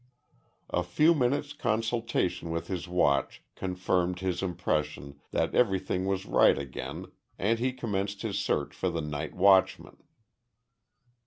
A few minutes' consultation with his watch confirmed his impression that everything was right again and he commenced his search for the night watchman.